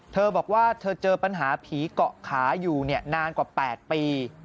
เธอบอกว่าเธอเจอปัญหาผีเกาะขาอยู่นานกว่า๘ปี